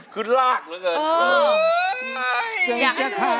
คือราดเหรอครับ